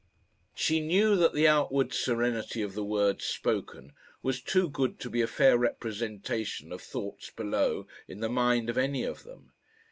She knew that the outward serenity of the words spoken was too good to be a fair representation of thoughts below in the mind of any of them.